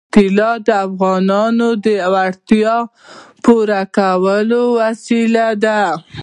طلا د افغانانو د اړتیاوو د پوره کولو وسیله ده.